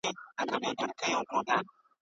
ایا شاګرد د موضوع په ټاکلو کي واک لري؟